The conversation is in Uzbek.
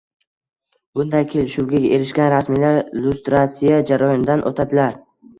Bunday kelishuvga erishgan rasmiylar lustratsiya jarayonidan o'tadilar